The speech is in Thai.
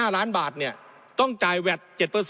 ๒๑๕ล้านบาทเนี่ยต้องจ่ายแวด๗